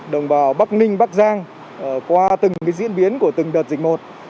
đồng bào bắc ninh bắc giang qua từng diễn biến của từng đợt dịch một